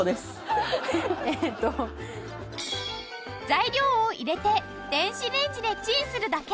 材料を入れて電子レンジでチンするだけ。